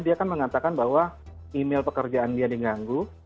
dia kan mengatakan bahwa email pekerjaan dia diganggu